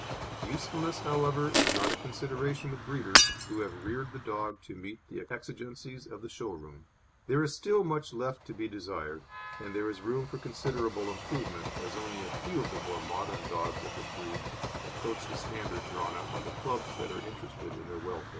Usefulness, however, is not a consideration with breeders, who have reared the dog to meet the exigencies of the show ring. There is still much left to be desired, and there is room for considerable improvement, as only a few of the more modern dogs of the breed approach the standard drawn up by the Clubs that are interested in their welfare.